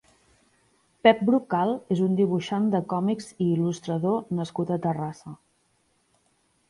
Pep Brocal és un dibuixant de còmics i il·lustrador nascut a Terrassa.